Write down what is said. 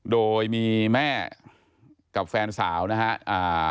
โดยมีแม่กับแฟนสาวนะฮะ